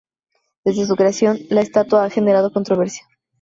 Desde su creación, la estatua ha generado controversia.